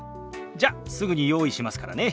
じゃすぐに用意しますからね。